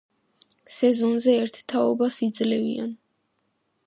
სეზონზე ერთ თაობას იძლევიან.